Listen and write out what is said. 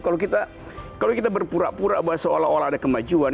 kalau kita berpura pura bahwa seolah olah ada kemajuan